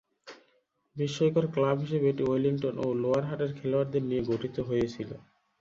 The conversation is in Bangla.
বিস্ময়কর ক্লাব হিসেবে এটি ওয়েলিংটন ও লোয়াড় হাটের খেলোয়াড়দের নিয়ে গঠিত হয়েছিল।